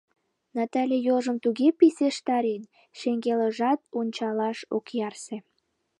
Натале йолжым туге писештарен — шеҥгелжат ончалаш ок ярсе.